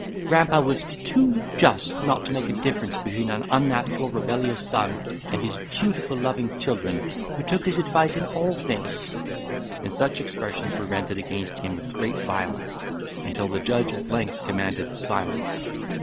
Grandpapa was too just not make a difference between an unnatural, rebellious son and his dutiful, loving children, who took his advice in all things;" and such expressions were vented against him with great violence; until the judge at length commanded silence.